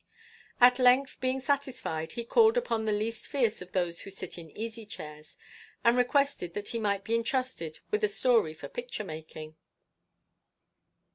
At length, being satisfied, he called upon the least fierce of those who sit in easy chairs, and requested that he might be entrusted with a story for picture making.